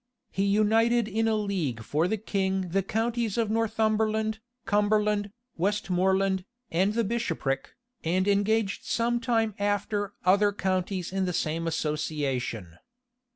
He united in a league for the king the counties of Northumberland, Cumberland, Westmoreland, and the bishopric, and engaged some time after other counties in the same association.